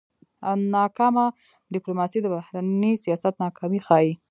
ناکامه ډيپلوماسي د بهرني سیاست ناکامي ښيي.